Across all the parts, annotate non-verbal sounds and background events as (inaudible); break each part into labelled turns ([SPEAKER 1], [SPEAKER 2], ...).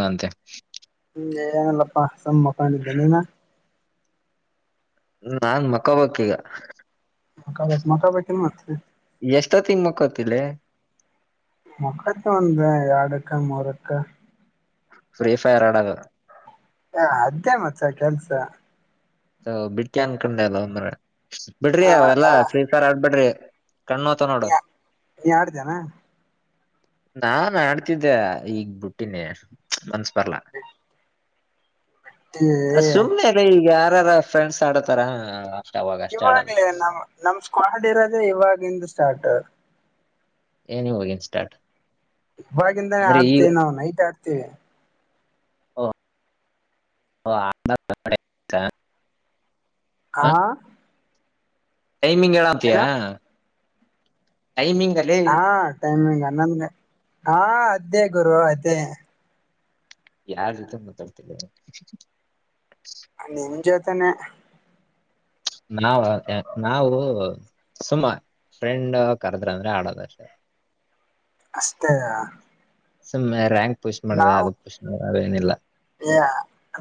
[SPEAKER 1] ಹಂತೆ
[SPEAKER 2] ಹ್ಮಗೆ ಏನಲ್ಲಪ್ಪಾ ಸಮ್ಮ ಮುಕೊಂಡಿದ್ದೇ ನೀನ
[SPEAKER 1] ನಾನ್ ಮಕ್ಕಬಕ್ ಈಗ
[SPEAKER 2] ಮಕಾ ಬ ಮಕಾ ಬ ನು ಮಾಡ್ತದೆ
[SPEAKER 1] ಎಷ್ಟೋ ತಿಂಗ ಮುಕ್ಕೊತಿಿಲ್ಲ
[SPEAKER 2] ಮೊಕ್ಕಾಯಕ್ಕೆ ಒಂದ ಎರಡು ಅಕ್ಕ ಮೂರು ಅಕ್ಕ
[SPEAKER 1] ಫ್ರೀಫೈರ್ ಆಡ ಅದು
[SPEAKER 2] ಹ ಅದೇ ಮಸ ಕೆಲ್ಸ
[SPEAKER 1] ಹ ಬಿಡ್ಕಿ ಅನ್ಕೊಂಡೆಲ್ಲ ಒಂದ್ರ ಬಿಡ್ರಿ
[SPEAKER 2] ಆ
[SPEAKER 1] ಅವೆಲ್ಲಾ ಫ್ರೀ ಫೈರ್ ಆಡ್ಬಿಡ್ರಿ ಕಣ್ಣೋತ ನೋಡು
[SPEAKER 2] ನೀ ನೀ ಆಡ್ದೇನಾ
[SPEAKER 1] ನಾ ಆಡ್ತಿದ್ದೆ ಈಗ್ ಬುಟ್ಟಿನೇ ಮನ್ಸ್ ಬರ್ಲ್ಲ
[SPEAKER 2] ಬಿಟ್ಟಿ
[SPEAKER 1] ಸುಮ್ನೆ ಅಲ್ಲ ಈಗ ಯಾರಾರ ಫ್ರೆಂಡ್ಸ್ ಆಡತಾರ ಅಷ್ಟ ಅವಾಗ ಅಷ್ಟೇ ಆಡೋದು
[SPEAKER 2] ಇವಾಗ್ಲೇ ನಮ್ ನಮ ಸ್ಕ್ವಾಡ್ ಇರೋದೆ ಇವಾಗಿಂದ ಸ್ಟಾರ್ಟ್
[SPEAKER 1] ಎನಿ ವಗನ್ ಸ್ಟಾರ್ಟ್
[SPEAKER 2] ಇವಾಗಿಂದಾನೇ
[SPEAKER 1] ಅಂದ್ರೆ ಈಗ
[SPEAKER 2] ಆಡ್ತೇವಿ ನಾವು ನೈಟ್ ಆಡ್ತೇವಿ
[SPEAKER 1] ಆ
[SPEAKER 2] ಹಾ
[SPEAKER 1] ಟೈಮಿಂಗ್
[SPEAKER 2] ಏನ
[SPEAKER 1] ಏಳಾಮತಿಯಾ
[SPEAKER 2] ಹಾ ಟೈಮಿಂಗ್ ಅನ್ನಂದ್ರೆ ಹಾ ಅದೇ ಗುರುವ ಅದೇ
[SPEAKER 1] ಯಾವ ರೀತಿ ಮಾತಾಡ್ತಿಲ್ಲ
[SPEAKER 2] ನಿಮ್ ಜೊತೆನೆ
[SPEAKER 1] ನಾಾವ ನಾವು ಸುಮ ಫ್ರೆಂಡ್ ಕರ್ದ್ರ ಅಂದ್ರೆ ಆಡೋದಷ್ಟೇ
[SPEAKER 2] ಅಷ್ಟತೇ
[SPEAKER 1] ಸ ರಂಕ್
[SPEAKER 2] ನಾವು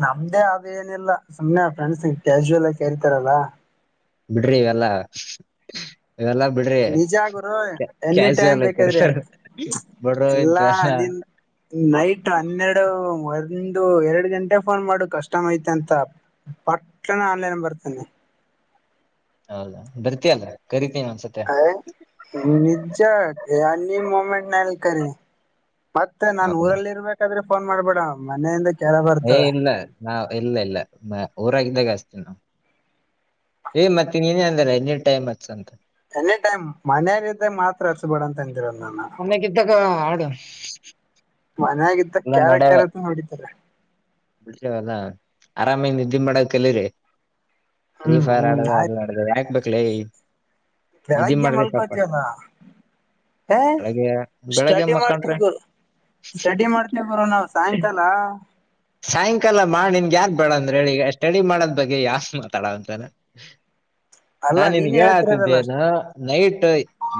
[SPEAKER 2] ನಮ್ದೇ ಅದೇಏನಿಲ್ಲ ಸುಮ್ಮನೆ ಆ ಫ್ರೆಂಡ್ಸ್ ಈಗ ಕಾಜುವಲ್ ಆಿ ಕೇರಿತಾರಲ್ಲಾ
[SPEAKER 1] ಬಿಡ್ರಿ ಇವೆಲ್ಲಾ ಇವೆಲ್ಲಾ ಬಿಡ್ರಿ
[SPEAKER 2] ನಿಜ ಗುರು ಎನಿ ಟೈಮ್
[SPEAKER 1] ಕಾಸಲ್ಲ ಕರಿ
[SPEAKER 2] ಬೇಕಾದ್ರಿ ಅಂತ
[SPEAKER 1] ಬಿಡ್ರ ಇಂತ
[SPEAKER 2] ಎಲ್ಲಾ
[SPEAKER 1] ಎಲ್ಲ
[SPEAKER 2] ನಿನ್ ನೈಟ್ ಹನ್ನೆರಡು ಒಂದು ಎರಡು ಗಂಟೆ ಫೋನ್ ಮಾಡು ಕಸ್ಮ ಐತೆ ಅಂತ ಪಟ್ಟನ ಆನ್ಲೈನ್ ಬರ್ತನಿ
[SPEAKER 1] ಹೌದಾ ಬರ್ತಿಯಲ್ಲ ಕರ
[SPEAKER 2] ಹ ನಿಜ್ಜ ಎ ಅ ಮಮೆಟ್ ನಲ್ಲಕರಿ ಮತ್ತೆ ನಾನ್
[SPEAKER 1] ಹೌದಾ
[SPEAKER 2] ಊರಲ್ಲಿ ಇರ್ಬೇಕಾದ್ರೆ ಫೋನ್ ಮಾಡ್ಬೇಡ ಮನೆಯಿಂದ ಕೆಲ ಬರ್ತದೆ
[SPEAKER 1] ನಾ ಇಲ್ಲ ಇಲ್ಲ ಊರಾಗಿದ್ದಾಗ ಅಸ್ತಿ ನಾ ಏ್ ಮತ್ತನ್ ಏನೇ ಅಂದಾರ ಎನ್ನಿ ಟೈಮ್ ಅತ್ ಅಂತ
[SPEAKER 2] ಎನಿ ಟೈಮ್ ಮನೆಯಿದ್ದ ಮಾತ್ರ ಹಚ್ಬೇಡ ಅಂತ ಅಂದಿರ ನಾನ
[SPEAKER 1] ಅಮ್ಮ ಕತ್ತ ಕ ಆಡು
[SPEAKER 2] ಮನ ಆಗತ್ತ ಕ್ಯಾರ ಕ್ಯಾರಂತ ನೋಡಿತಾರೆ
[SPEAKER 1] ಬಿಡ್ವಲ್ಲ ಆರಾಮಿಂದ ನಿದ್ದಿ ಮಾಡಲರಿ ಫ್ರೀ
[SPEAKER 2] ಹ್ಮ್
[SPEAKER 1] ಫೈರ್
[SPEAKER 2] ಹ್ಮ್
[SPEAKER 1] ಆಡದ ಅದ
[SPEAKER 2] ಆಯ್ತು
[SPEAKER 1] ಆಡದ ಯಾಕ್ಬೇಕಕ್ಲೈ
[SPEAKER 2] ಬೆಳಗ್ಗೆ ಮಲ್ಕೋತಲ್ಲ ಹ
[SPEAKER 1] ಬೆಳಗ್ಗೆ ಬೆಳಗ್ಗೆ
[SPEAKER 2] ಸ್ಟಡಿ
[SPEAKER 1] ಮಕ್ಕಂಡ್ರೆ
[SPEAKER 2] ಮಾಡ್ತೀವಿ್ ಗುರು ಸ್ಟಡಿ ಮಾಡ್ತ ಮಷ್ಟ ಬರುವೋ ನಾವು ಸಾಯಂಕಾಲ
[SPEAKER 1] ಸಾಯಂಕಾಲ ಮಾಡ ನಿನ್ಗೆ ಯನ್ ಬೇಡಂದಡಿ ಸ್ಟಡಿ ಮಾಡೋದ್ ಬಗ್ಗೆ ಯಾಸ್ ಮಾತಾಡಂತಾನ ನಾ
[SPEAKER 2] ಅಲ್ಲಾ
[SPEAKER 1] ನಿನ್
[SPEAKER 2] ನೀನೇ ಹೇಳ್ತಿರೋದಲ್ಲ
[SPEAKER 1] ಹೇಳತಿದ್ದೇನ್ ನೈಟ್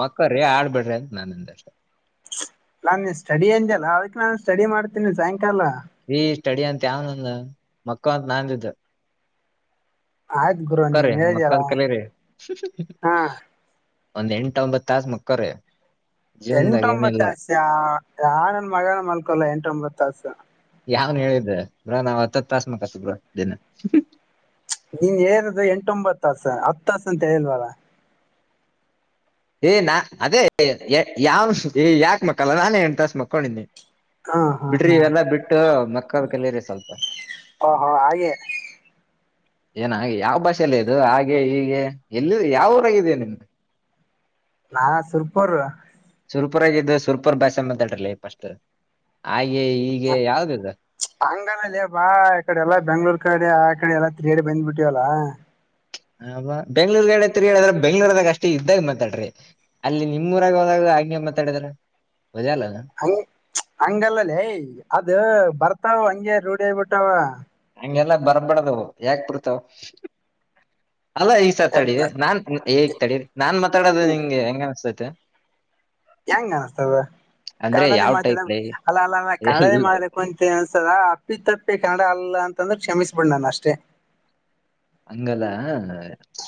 [SPEAKER 1] ಮಕ್ಕ್ರೇ ಆಡ್ಬಿಡ್ ನಾನಂದ
[SPEAKER 2] ನಾನ ಸ್ಟಡಿ ಅಂದಲ್ಲಾ ಅವಕ್ ನಾನು ಸ್ಟಡಿ ಮಾಡ್ತೇನಿ ಸಾಯಂಕಾಲ
[SPEAKER 1] ಈ ಸ್ಟಡಿ ಅಂತ ಯಾವನಂದ ಮಕ್ಕಳ ಅಂತ ನಾಂದಿದ್ದ
[SPEAKER 2] ಆಯ್ತ್ ಗುರು
[SPEAKER 1] ಅಕ್ಕ ರ
[SPEAKER 2] ನೀನ್ ಹೇಳಿದ್ಯಲ್ಲ
[SPEAKER 1] ಮಕ್ಕದ ಕೆಲ ರ
[SPEAKER 2] ಹಾ
[SPEAKER 1] ಒಂದ್ ಎಂಟ ಒಂಬತ್ ತಾಸ ಮಕ್ಕ್ರ
[SPEAKER 2] ಎಂಟೊಂಬತ್ತ ಆಸ ನಾ ನನ್ ಮಗನ ಮಲ್ಕೊಲ್ಲ ಎಂಟೊಂಬತ್ತ ಆಾಸ
[SPEAKER 1] ಯಾವ್ನ್ ಹೇಳಿದೆ ಬ ನಾವ್ ಹತ್ತತ್ತು ತಾಸ ಮಕ್ ಹತಿದ್ರ ಇದಿನ
[SPEAKER 2] ನೀನ್ ಹೇಳರಿದ ಎಂಟೊಂಬತ್ತಾಸ ಹತ್ತು ತಾಸ ಅಂತ ಹೇಳಲ್ವಾರ
[SPEAKER 1] ಏ ನಾ ಅದೇ ಯಾವನ್ ಯಾಕ ಮಕ್ಕಲ್ಲ ನಾನ ಎಣ ತಾಸ ಮಕ್ಕೊಂಡಿದಿ
[SPEAKER 2] ಹಾ ಹಾ
[SPEAKER 1] ಬಿಡ್ರಿ
[SPEAKER 2] ಹಾ
[SPEAKER 1] ಇವೆಲ್ಲಾ ಬಿಟ್ಟು ಮಕ್ಕಳ ಕಲರಿ ಸ್ವಲ್ಪ
[SPEAKER 2] ಓಹೋ ಹಾಗೆ
[SPEAKER 1] (unintelligible) ಏನ ಯಾವ ಭಾಷೆಲ್ಲ ಇದು ಹಾಗೆ ಹೀಗೆ ಎಲ್ಲಿ ಯಾವ ಊರಾಗಿದೆಯ ನಿಮ್ದು
[SPEAKER 2] ನಾ ಸುರ್ಪರು
[SPEAKER 1] ಸೂಪರ್ ಆಗಿದೆ ಸೂಲ್ಪರ್ ಬಾಷೆ ಮಾತಾಡ್ಲೆ ಫಸ್ಟ್ ಹೀಗೆ ಯಾವ್ದಿದ
[SPEAKER 2] ಹಂಗಾನಲ್ಲೆ ಬಾ ಇಕಡೆ ಎಲ್ಲ ಬೆಂಗ್ಳೂರ್ ಕಡೆ ಕಡೆ ಎಲ್ಲ ತಿತ್ರರಿಯಡಿ ಬಂದ್ ಬಿಟ್ಟವಲ್ಲಾ
[SPEAKER 1] ಆ ಬೆಂಗ್ಳೂರ್ಗಡೆ ತಿರುಗಾಡದ್ ಬೆಂಗ್ಳೂರ್ದಾಗ ಅಷ್ಟೇ ಇದ್ದಾಗ ಮಾತಾಡ್ರಿ ಅಲ್ಲಿ ನಿಮ್ ಊರಾಗ ಹೋದಾಗ ಹಂಗೆ ಮಾತಾಡಿದ್ರ ಒದಲ್ಲ
[SPEAKER 2] ಹಂಗ್ ಹಂಗಲ್ಲಲೆ ಅದು ಬರ್ತಾವ ಹಂಗೆ ರೂಢಿ ಆಗಿ ಬಿಟ್ಟಾವ
[SPEAKER 1] ಹಂಗೆಲ್ಲ ಬರ್ಬಡ್ದ ಯಾಕ್ ಬರ್ತಾವ್ ಅಲ್ಲ ಈಸರ್ ತಡೀ
[SPEAKER 2] ಎದ್ದ
[SPEAKER 1] ನಾನ್ ಈಗ್ ತಡಿ ನಾನ್ ಮಾತಾಡೋದು ನಿಂಗೆ ಹೆಂಗ ಅನ್ಸ್ತಾಯಿತೇ
[SPEAKER 2] ಹೆಂಗ ಅನ್ಸ್ತಾದು ಕನ್ನಡನೇ
[SPEAKER 1] ಯಾವ್
[SPEAKER 2] ಮಾತಾಡ
[SPEAKER 1] ಟೈಪ್ ಲೇ
[SPEAKER 2] ಅಲ್ಲ ಅಲ್ಲ ಕನ್ನಡನೇ
[SPEAKER 1] ಎಲ್ಲ
[SPEAKER 2] ಮಾಡ್ಬೇಕು ಅಂತ ಅನ್ಸ್ತಾದ ಅಪ್ಪಿತಪ್ಪಿ ಕನ್ನಡ ಅಲ್ಲ ಅಂತ ತಂದ್ರೆ ಕ್ಷಮಿಸಬಿಡ್ ನಾನ್ ಅಷ್ಟೇ
[SPEAKER 1] ಹಂಗಲ್ಲ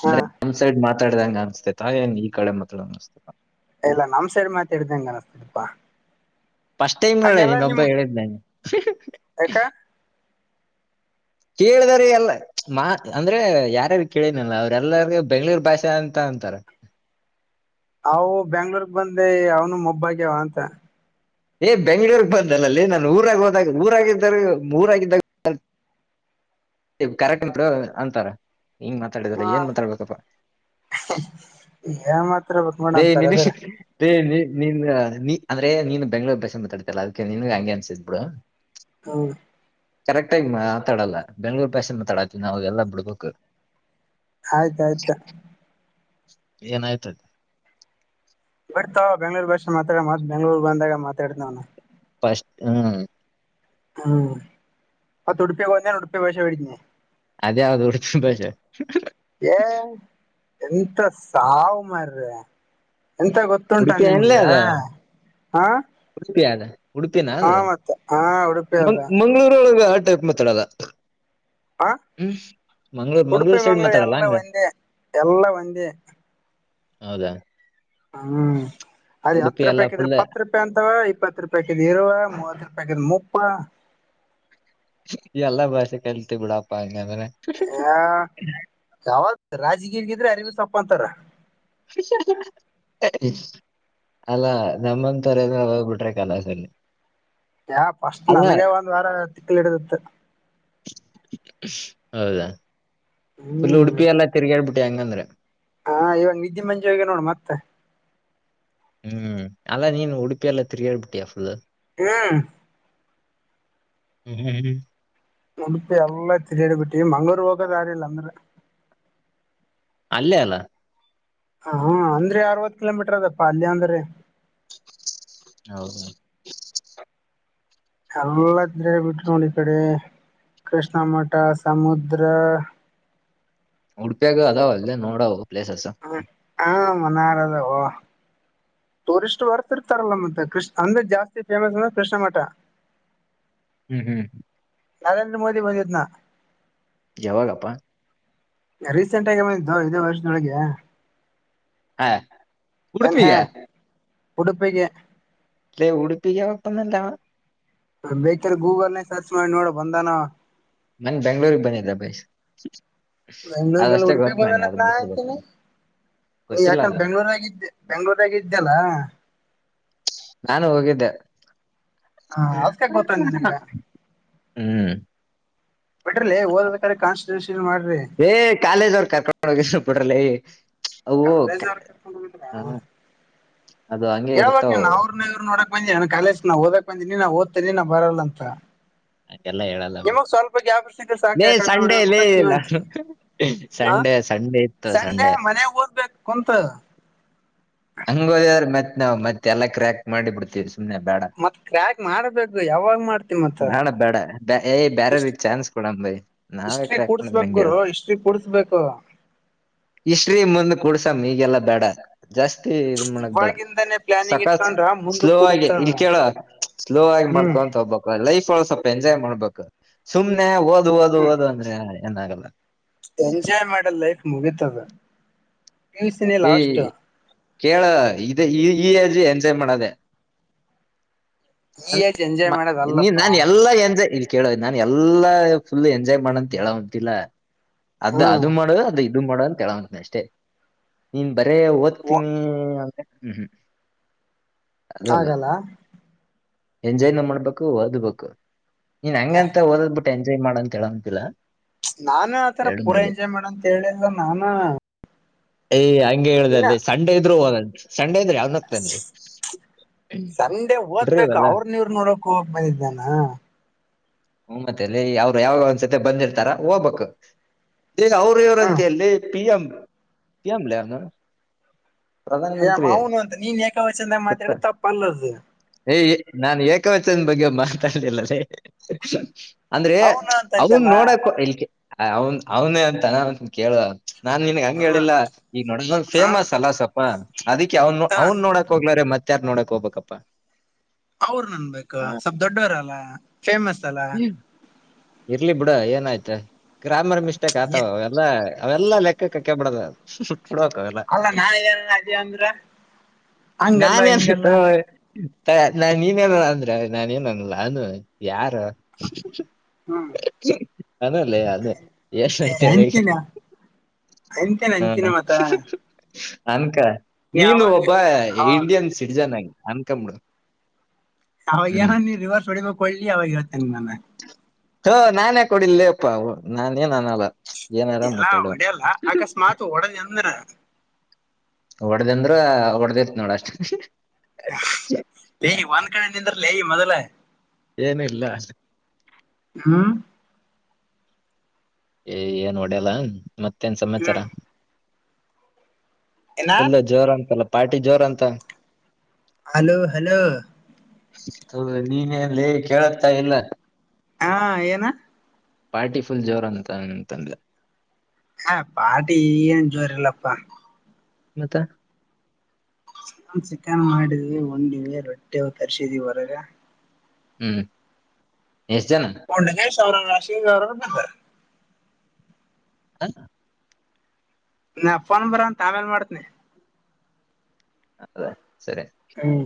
[SPEAKER 2] ಹಾ
[SPEAKER 1] ಒಂದ್ ಸೈಡ್ ಮಾತಾಡ್ದಂಗ ಅನ್ಸ್ ತಾ ಏನ್ ಈ ಕಡೆ ಮಾತಾಡು ಅನ್ಸ್ತಾದ
[SPEAKER 2] ಇಲ್ಲಾ ನಮ್ ಸೈಡ್ ಮಾತಾಡ್ದ್ದಂಗೆ ಅನ್ಸ್ತಾದ್ದ
[SPEAKER 1] ಟೈಮ್ ನೋಡ ನೀನು ಒಬ್ಬ ಹೇಳಿದ್ ನಂಗೆ
[SPEAKER 2] ಯಾಕ
[SPEAKER 1] ಕೇಳಿದಾರೆ ಎಲ್ಲ ಮಾ ಅಂದ್ರೆ ಯಾರ್ಯಾರು ಕೇಳೇನಲ್ಲ ಅವ್ರೆಲ್ಲಾರು ಬೆಂಗಳೂರ್ ಭಾಷೆ ಅಂತ ಅಂತಾರೆ
[SPEAKER 2] ಅವು ಬೆಂಗಳೂರ್ ಬಂದೆ ಅವನು ಮಬ್ಬಾಗ್ಯಾವ ಅಂತ
[SPEAKER 1] ಏ ಬೆಂಗ್ಗಳೂರ್ ಬಂದಲ್ಲಲೆ ನಾ ಊರಾಗ ಹೋದಾಗ ಊರಾಗಿದ್ದಾರ ಊರಾಗಿದ್ದಾಗ ಕರೆಕ್ಟ್ ಬ್ರೊ ಅಂತಾರೆ ಹಿಂಗ್
[SPEAKER 2] ಹ
[SPEAKER 1] ಮಾತಾಡ್ದ್ರೆ ಏನ್ ಮಾತಾಡ್ಬೇಕಪ್ಪ
[SPEAKER 2] ಏನ್ ಮಾತಾಡ್ಬೇಕ್ ನೋಡ ಅಂತಾರ ಅದ್ರ
[SPEAKER 1] (unintelligible) ನಿನ್ ನೀ ಅಂದ್ರೆ ನೀನ್ ಬೆಂಗ್ಳೂರ್ ಭಾಷೆ ಮಾತಾಡ್ತಲ್ಲ ಅದಕ್ಕೆ ನಿನ್ ಹಂಗೆ ಅನ್ಸಿದ್ ಬಿಡು
[SPEAKER 2] ಹ್ಮ್
[SPEAKER 1] ಕರೆಕ್ಟ್ ಆಗಿ ಮಾತಾಡಲ್ಲ ಬೆಂಗ್ಳೂರ್ ಭಾಷೆ ಮಾತಾಡತಿವಿ ನಾವ್ ಎಲ್ಲ ಬಿಡ್ಬೇಕು
[SPEAKER 2] ಆಯ್ತಾಯ್ತ
[SPEAKER 1] ಏನಾಯಿತು
[SPEAKER 2] ಬರ್ತಾವ ಬೆಂಗ್ಳೂರ್ ಭಾಷೆ ಮಾತಾಡಿ ಮತ್ ಬೆಂಗಳೂರ್ ಬಂದಾಗ ಮಾತಾಡ್ತೀನಿ ನಾನು
[SPEAKER 1] ಫಸ್ಟ್ ಹ್ಮ್
[SPEAKER 2] ಹ್ಮ್ ಅ ಉಡುಪಿಯ ಕೊಂದ ಉಡುಪಿಯ ವಷ ಮೇಡಿದ್ನೇ
[SPEAKER 1] ಅದ್ ಯಾವುದು (unintelligible)
[SPEAKER 2] ಏ ಎಂತ ಸಾವು ಮಾಡಾರ್ರ ಎಂತ ಗೊತ್ತುಂಟಾ
[SPEAKER 1] ಉಡುಪಿ ಅನ್ಲೇ
[SPEAKER 2] ನಿಮ್ಗೆ
[SPEAKER 1] ಅದ
[SPEAKER 2] ಹಾ
[SPEAKER 1] ಉಡುಪಿ ಅದ ಉಡುಪಿನ
[SPEAKER 2] ಹಾ
[SPEAKER 1] ಅದು
[SPEAKER 2] ಮತ್ತ ಹಾ ಉಡುಪಿ
[SPEAKER 1] ಮ್
[SPEAKER 2] ಅದ
[SPEAKER 1] ಮಂಗ್ಗಳೂರೊಳಗೆ ಆ ಟೈಪ್ ಮಾತಾಡಲ್ಲ
[SPEAKER 2] ಹ
[SPEAKER 1] ಮಂಗ್ಳೂರ್
[SPEAKER 2] ಉಡುಪಿ
[SPEAKER 1] ಮಂಗ್ಳೂರ್ ಸೈಡ್
[SPEAKER 2] ಮಂಗ್ಗಳೂರ್
[SPEAKER 1] ಮಾತಾಡಲ್ಲ ಹಂಗ
[SPEAKER 2] ಎಲ್ಲ ಒಂದೆ
[SPEAKER 1] ಹೌದಾ
[SPEAKER 2] ಹ್ಮ್ ಅರಿ
[SPEAKER 1] ಉಡುಪಿ
[SPEAKER 2] ಹತ್ತು
[SPEAKER 1] ಎಲ್ಲ
[SPEAKER 2] ರೂಪಾಯಿ ಹಾಕಿದ್ರ
[SPEAKER 1] ಫುಲ್
[SPEAKER 2] ಪತ್ತು ರೂಪಾಯಿ ಅಂತವ ಇಪ್ಪತ್ತು ರೂಪಾಯಿ ಹಾಕಿದ್ರೆ ಇರುವೆ ಮೂವತ್ ರೂಪಾಯಿ ಹಾಕಿದ್ರೆ ಮುವ ಹಾಂ
[SPEAKER 1] ಎಲ್ಲಾ ಭಾಷೆ ಕಲ್ತ ಬಿಡಪ್ಪ ಹಂಗಂದ್ರೆ
[SPEAKER 2] ಹ ಯಾವಾಗ ರಾಜಗೀಗಿದ್ರೆ ಅರಿವು ಸಪ್ಪ ಅಂತಾರ
[SPEAKER 1] (inaudible) ಅಲ್ಲಾ ನಮ್ಮಂತರ ಹೋಗ್ಬಿಟ್ರೆ ಕಲಸಲ್ಲಿ
[SPEAKER 2] ಯ ಫಸ್ಟ್ ನನಗೆ ಒಂದ್ ವಾರ ತಿಕ್ಕಲಿ ಹಡಿದತ್
[SPEAKER 1] ಹೌದಾ ಫುಲ್
[SPEAKER 2] ಹ್ಮ್
[SPEAKER 1] ಉಡುಪಿ ಎಲ್ಲ ತಿರ್ಗಾಡ್ಬಿಟ್ಟಿ ಹಂಗಂದ್ರೆ
[SPEAKER 2] ಹಾ ಇವಾಗ ನಿಧಿ ಮಂಜುಗೆ ನೋಡು ಮತ್ತೆ
[SPEAKER 1] ಹ್ಮ್ ಅಲ್ಲಾ ನೀನ್ ಉಡುಪಿಯ ಎಲ್ಲ ತಿರುಗಡ್ ಬಿಟ್ಟಿಯಾ ಫುಲ್
[SPEAKER 2] ಹ್ಮ
[SPEAKER 1] ಹ್ಮ ಹ್ಮ
[SPEAKER 2] ಉಡುಪಿ ಎಲ್ಲಾ ತಿರುಗಿಡಿ ಬಿಟ್ಟಿ ಮಂಗ್ಳೂರು ಹೋಗೋದಾರಿಲ್ಲ ಅಂದ್ರೆ
[SPEAKER 1] ಅಲ್ಲೆ ಅಲ್ಲಾ
[SPEAKER 2] ಹ್ಮ್ ಅಂದ್ರೆ ಅರವತ್ ಕಿಲೋಮೀಟರ್ ಅದಪ್ಪ ಅಲ್ಲೆ ಅಂದ್ರೆ
[SPEAKER 1] ಹೌದ
[SPEAKER 2] (unintelligible) ಈ ಕಡೆ ಕೃಷ್ಣ ಮಠ ಸಮುುದ್ರ
[SPEAKER 1] ಉಡುಪಿಯಾಗ ಅದಾವ ಅಲ್ಲೇ ನೋಡಾವ ಪ್ಲೇಸಸ್
[SPEAKER 2] ಹ ಹ ಮನಾರದ ಟೂರಿಸ್ಟ್ ಬರ್ತಿರ್ತಾರಲ್ಲ ಮತ್ತೆ ಕೃಷ ಅಂದ್ರೆ ಜಾಸ್ತಿ ಫೇಮಸ್ ಅಂದ್ರೆ ಕೃಷ್ಣ ಮಠ
[SPEAKER 1] ಹ್ಮ್ ಹ್ಮ್
[SPEAKER 2] ನರೇಂದ್ರ ಮೋದಿ ಬಂದಿತನಾ
[SPEAKER 1] ಯಾವಾಗಪ್ಪಾ
[SPEAKER 2] ರೀಸೆಂಟ್ ಬಂದಿದ್ದೋ ಇದೇ ವರ್ಷದೊಳಗೆ
[SPEAKER 1] ಹೇ ಉಡುಪಿಗೆ
[SPEAKER 2] ಉಡುಪಿಗೆ
[SPEAKER 1] ಉಡುಪಿಗೆ ಯಾವಾಗ ಬಂದಾಗ್ಲೇ ಹವ
[SPEAKER 2] ಬೇಕರೆ ಗೂಗಲ್ನ ಸರ್ಚ್ ಮಾಡಿ ನೋಡ ಬಂದನ
[SPEAKER 1] ಮನ್ನ ಬೆಂಗ್ಳೂರು ಬನ್ದ ಭೈ್
[SPEAKER 2] ಬೆಂಗ್ಳೂರ್ಗೆಲ್ಲ ಉಡುಪಿ ಬಂದನ ನಾ
[SPEAKER 1] ಗೊತ್ತ
[SPEAKER 2] ಆತನ ಈ
[SPEAKER 1] ಗೊತ್ತಿಲ್ಲ
[SPEAKER 2] ಯಕನ್
[SPEAKER 1] ಅಲ್ಲ
[SPEAKER 2] ಬೆಂಗ್ಳೂರ ಆಗಿದ್ದೆ ಬೆಂಗ್ಳೂರ ಆಗ ಇದ್ದಲ್ಲ
[SPEAKER 1] ನಾನು ಹೋಗಿದ್ದೆ
[SPEAKER 2] ಹ ಅದ್ಕ ಗೊತ್ತ ನಿನಗ
[SPEAKER 1] ಹ ಹ್ಮ್
[SPEAKER 2] ಬಿಟ್ರಲಿ ಓದದ ಕಾಣಿಸ
[SPEAKER 1] ಏ ಕಾಲೇಜ್ ಅವ್ರರು ಕರ್ಕೊಂಡು ಹೋಗಿದ್ರು ಪುಡ್ರಲ್ಲ
[SPEAKER 2] ಕಾಲೇಜ್ ಅವ್ರ ಕರ್ಕೊಂಡ ಬ್ರ
[SPEAKER 1] ಹ, ಅದು ಹಂಗೆ ಇರ್ತಾವ
[SPEAKER 2] ಯಾವಾಗ್ನಅವ್ರನೇವ್ರ ನೋಡ ಬಂದಿ ನ ಕಾಲಜ್ ನಾ ಓದಕ್ ಬಂದಿ ನಾ ಓದ್ತೀನಿ ನ ಬರಲ್ಲ ಅಂತ
[SPEAKER 1] ಹಂಗೆಲ್ಲ ಹೇಳಲ್ಲ ಬಿಡ್.
[SPEAKER 2] ನಿಮಗ್ ಸ್ವಲ್ಪ ಗ್ಯಾಪ್ ಸಿಕ್ಕರ ಸಾಕ
[SPEAKER 1] ಲೇ
[SPEAKER 2] ಯಕಡೆ ನೋಡಿ
[SPEAKER 1] ಸಂಡೇ ಲೇ
[SPEAKER 2] ಹೋಗ್ಬೇಕ
[SPEAKER 1] ನಾನು
[SPEAKER 2] ನೀವತ್ರಿ ಹ
[SPEAKER 1] ಸಂಡೇ ಸಂಡೇ ಇತ್ತು
[SPEAKER 2] ಸಂಡೆ
[SPEAKER 1] ಸಂಡೇ
[SPEAKER 2] ಮನೆ ಓದಬೇಕು ಕುಂತು
[SPEAKER 1] ಹಂಗೋದವ್ರೀ ಮತ್ ನಾವ್ ಮತ್ತತ್ ಎಲ್ಲಾ ಕ್ರ್ಯಾಕ್ ಮಾಡಿ ಬಿಡ್ತೇವಿ ಸುಮಮ್ಮನೆ ಬೇಡ
[SPEAKER 2] ಮತ್ ಕ್ರ್ಯಾಕ್ ಮಾಡ್ಬೇಕು ಯಾವಾಗ ಮಾಡ್ತಿ ಮತ್ತ
[SPEAKER 1] ಬೇಡ ಬೇಡ ಏ ಬೇರೆ
[SPEAKER 2] ಇಷ್ಟ್
[SPEAKER 1] ಚಾನ್ಸ್ ಕೊಡಂಬೈಿ ನಾವೇ
[SPEAKER 2] ಹಿಸ್ಟ್ರಿ
[SPEAKER 1] ಕ್ರ್ಯಾಕ್ ಮಾಡಿದ್ರ
[SPEAKER 2] ಕೂಡ್ಸ್ಬೇಕ್
[SPEAKER 1] ಹಂಗೆ
[SPEAKER 2] ಗುರು ಹಿಸ್ಟ್ರಿ ಕೂಡ್ಸ್ಬೇಕು
[SPEAKER 1] ಇಷ್ಟ್ರೀ ಮುಂದ ಕೂಡ್ಸಮ ಈಗೆಲ್ಲಾ ಬೇಡ ಜಾಸ್ತಿ ಇದ ಮಾಡೋದು ಬೇಡ
[SPEAKER 2] ಇವಾಗಿಂದಾನೇ ಪ್ಲಾನಿಂಗ್
[SPEAKER 1] ಸಾಕತ್ು
[SPEAKER 2] ಇಟ್ಕೊಂಡ್ರ
[SPEAKER 1] ಸ್ಲೋ
[SPEAKER 2] ಮುಂದಕ್
[SPEAKER 1] ಆಗಿ
[SPEAKER 2] ಕುಡತದ
[SPEAKER 1] ಇಲ್ ಕೇಳುವ ಸ್ಲೋ ಆಗಿ
[SPEAKER 2] ಹ್ಮ್
[SPEAKER 1] ಮಾಡ್ಕೊಂತ ಹೋಗ್ಬ ಲೈಫ್ ಳ ಸ್ವಲ್ಪ ಎಂಜಾಯ್ ಮಾಡ್ಬೇಕು ಸುಮ್ನೆ ಓದ್ ಓದ
[SPEAKER 2] ಹ್ಮ್
[SPEAKER 1] ಓದ ಅಂದ್ರೆ ಏನಾಗಲ್ಲ
[SPEAKER 2] ಎಂಜಾಯ್ ಮಾಡೋ ಲೈಫ್ ಮುಗತದ ಪಿ ಯು ಸೀ ನ
[SPEAKER 1] ಈ
[SPEAKER 2] ಲಾಸ್ಟ್
[SPEAKER 1] ಕೇಳ ಇದ ಈ ಈ ಏಜ್ ಎಂಜಾಯ್ ಮಾಡದೆ
[SPEAKER 2] ಈ ಏಜ್ ಎಂಜಾಯ್
[SPEAKER 1] ನೀ
[SPEAKER 2] ಮಾಡೋದಲ್ಲಪ್ಪಾ
[SPEAKER 1] ನಾನ್ ಎಲ್ಲಾ ಎಂಜಾಯ್ ಕೇಳೋ ನಾನನ್ ಎಲ್ಲಾ ಫುಲ್ ಎಂಜಾಯ್ ಮಾಡಂತ ಹೇಳಂತಿಲ್ಲ ಅದ
[SPEAKER 2] ಹ್ಮ್
[SPEAKER 1] ಅದು ಮಾಡುವ ಅದು ದುಡು ಮಾಡ ಅಂತಂತನಿ ಅಷ್ಟೇ ನೀನ್ ಬರೇ ಓದ್ತೀನಿ ಅಂತ ಹ್ಮ್ ಹ್ಮ್
[SPEAKER 2] ಹಾಗಲ್ಲ
[SPEAKER 1] ಎಂಜಾಯ್ ನ ಮಾಡ್ಬೇಕು ಓದ್ಬೇಕು ನೀನ್ ಹಂಗಂತ ಓದದ್ ಬಿಟ್ಟ ಬಿಟ್ಟು ಎಂಜಾಯ್ ಮಾಡ ಅಂತ ಹೇಳಾಗಿಲ್ಲ
[SPEAKER 2] ನಾನ ಆತರ ಪೂರಾ ಎಂಜಾಯ್ ಮಾಡ ಅಂತ ಹೇಳಿಲ್ ನಾನ
[SPEAKER 1] ಯ್ ಹಂಗೆ ಹೇಳ್ದಲ್ಲಲೇ ಸಂಡೆ ಇದ್ರು ಹೋಗ್ ಅಂದಿ ಸಂಡೆ ಇದ್ರೆ ಯಾವಗ ಆಗುತೆ ಲೇ
[SPEAKER 2] ಸಂಡೆ ಓದ್ಬೇಕು ಅವ್ರ ನೀರ್ ನೂರಕ್ ಹೋಗ್ ಬಂದಿದ್ದಾನ
[SPEAKER 1] ಹ್ಮ ಮತ್ತೆಲ್ಲಿ ಅವರು ಯಾವಾಗ ಒಂದ್ಸತೆ ಬಂದಿಡ್ತಾರ ಹೋಗ್ಬೇಕು ದೇ ಅವ್ರ ಇವ್ರಂತ
[SPEAKER 2] ಹ್ಮ್
[SPEAKER 1] ಅಲ್ಲಿ ಪಿ ಎಂ ಪಿಎಂ ಲೇ ಅದು
[SPEAKER 2] ಏ ಅವನು ಅಂತ ನೀನ್ ಏಕವಚಂದ
[SPEAKER 1] ಗೊತ್ತ
[SPEAKER 2] ಮಾತಾಡು ತಪ್ಪ ಅಲ್ಲದು
[SPEAKER 1] ಏ ನಾನ್ ಏಕವಚನ ಬಗ್ಗೆ ಮಾತಾಡ್ಲಿಲ್ಲ ರೀ ಅಂದ್ರೆ
[SPEAKER 2] ಅವನು ಅಂತ
[SPEAKER 1] ಅವನ್
[SPEAKER 2] ಅಂದಲ್ಲ
[SPEAKER 1] ನೋಡಕ ಇ ಅವನ್ ಅವನೇ ಅಂತನಂತ ಕೇಳುವ ನಾನ್ ನಿನ್ಗ್ ಹಂಗ
[SPEAKER 2] ಹ್ಮ್
[SPEAKER 1] ಹೇಳಿಲ್ಲ ಈಗ ನೋಡಂದ್
[SPEAKER 2] ಹಾ
[SPEAKER 1] ಫೇಮಸ್ ಅಲ್ಲಾ ಸ್ವಪ ಅದಿಕ್ಕೆ ಅವ್ನ್
[SPEAKER 2] ಹ
[SPEAKER 1] ಅವನ್ ನೋಡಾಕ್ ಹೋಗ್ಲಾರ ಮತ್ತ್ಯಾರ್ ನೋಡಕ್ ಹೋಗ್ಬೇಕಪ್ಪಾ
[SPEAKER 2] ಅವರು ಅನ್ಬೇಕು ಸ್ವಲ್ಪ ದೊಡ್ಡವರಲ್ಲ ಫೇಮಸ್ ಅಲ್ಲ
[SPEAKER 1] ಇರ್ಲಿ ಬಿಡ ಏನಾಯ್ತ ಗ್ರಾಮರ್ ಮಿಸ್ಟೇಕ್ ಆತಾವ ಎಲ್ಲ ಅವೆಲ್ಲಾ ಲೆಕ್ಕ ಕಕ್ಕೆ ಹಾಕೋಬಾರದು ಕುರಿಕೆ ಆಗೋಲ್ಲ
[SPEAKER 2] ಅಲ್ಲ ನಾನ ಅದೇ ಅಂದ್ರ ಹಂಗಲ್ಲ
[SPEAKER 1] ನನ್ ಎಲ್ಲಿ
[SPEAKER 2] ಹಿಂಗಲ್ಲ
[SPEAKER 1] ಥೋ ನಾನ್ ನೀನ ಏನನ ಅಂದ್ರೆ ನಾನನ್ ಏನ ಅನ್ಲ್ಲ ಅಾನ ಯಾರು
[SPEAKER 2] ಹ್ಮ್
[SPEAKER 1] ಅನಲ್ಲ ಅದ ಏಷ್ಟಐತ ಹೇಳಗ
[SPEAKER 2] ಅಂತಿನ ಅಂತಿನ ಅಂತಿನ ಮತ್ತ
[SPEAKER 1] ಅನ್ಕ
[SPEAKER 2] ನೀ
[SPEAKER 1] ನೀನು
[SPEAKER 2] ಅವಾಗ
[SPEAKER 1] ಒಬ್ಬ ಇಂಡಿಯನ್ ಸಿಟಿಜನ್ ಆಗಿ ಅನ್ನ್ಕಬೀಡು
[SPEAKER 2] ಅವಾಗ ಏನನ ನಿನ್ನ ರಿವರ್ಸ್ ಹೊಡಿ ಬೇಕು ಹೊಲ್ಲಿ ಅವಾಗ ಹೇಳ್ತೀನಿ ನಾನು
[SPEAKER 1] ಹಾ ನಾನ್ಯಾಕೆ ಹೊಡೆಲಿ ಯಪ್ಪಾ ನಾನನ್ ಏನ
[SPEAKER 2] ಎಲ್ಲ ಒಡೆಯಲ್ಲ ಅಕಸ್ಮಾತ್ ಓಡದ ಎಂದ್ರ
[SPEAKER 1] ಒಡ್ದ ಅಂದ್ರ ಹೊಡಿದೀರ್ತೀನಿ ನೋಡ ಅಷ್ಟ
[SPEAKER 2] ಲೇ ಒಂದ ಕಡೆ ನಿಂದ್ರು ಲೆ ಮೊದ್ಲ
[SPEAKER 1] ಏನ ಇಲ್ಲ
[SPEAKER 2] ಹ್ಮ
[SPEAKER 1] ಏ ಏನ್ ಹೊಡ್ಯಲ್ಲ ಮತ್ತೇನ್ ಸಮಾಚಾರ
[SPEAKER 2] ಹ್ಮ್
[SPEAKER 1] ಫುಲ್ ಜೋರ ಅಂತಲ್ಲ ಪಾರ್ಟಿ ಜೋರ ಅಂತ
[SPEAKER 2] ಹಲೋ ಹಲೋ
[SPEAKER 1] ಹ ನೀನ ಏನ್ ಲೆ ಕೇಳತಾ ಇಲ್ಲ
[SPEAKER 2] ಹಾ ಏನ
[SPEAKER 1] ಪಾರ್ಟಿ ಫುಲ್ ಜೋರ್ ಅಂತ ಅಂತ ಅಂದೆ
[SPEAKER 2] ಹ ಪಾಟಿ ಏನು ಜೋರ ಇಲ್ಲಪ
[SPEAKER 1] ಮತ್ತೆ
[SPEAKER 2] ಚಿಕನ್ ಮಾಡಿದ್ವಿ ಉಂಡಿವಿ ರೊಟ್ಟಿ ತರ್ಸಿದ್ವಿ ಹೊರಗ
[SPEAKER 1] ಹ್ಮ್ ಎಷ್ಟಜಾನ
[SPEAKER 2] (unintelligible)
[SPEAKER 1] ಹ
[SPEAKER 2] ನ ಫೋನ್ ಬರ ಹತದ ಆಮೇಲೆ ಮಾಡ್ತೀನಿ
[SPEAKER 1] ಹೌದಾ ಸರಿ
[SPEAKER 2] ಹ್ಮ್